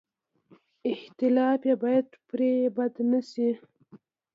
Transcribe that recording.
اختلاف یې باید پرې بد نه شي.